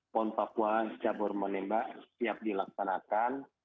pon papua cabur menembak siap dilaksanakan